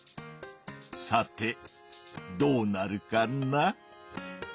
さてどうなるかな？